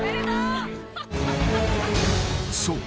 ［そう。